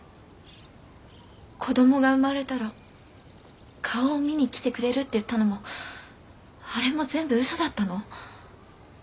子どもが生まれたら顔を見に来てくれるって言ったのもあれも全部嘘だったの？